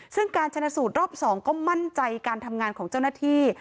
ซึ่งการชนะสูตรรอบ๒ก็มั่นใจการทำงานของเจ้าหน้าที่